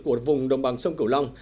của vùng đồng bằng sông cửu long